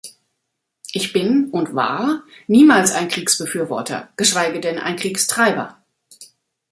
Ich bin und war niemals ein Kriegsbefürworter, geschweige denn ein Kriegstreiber.